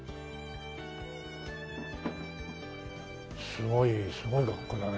すごいすごい学校だね。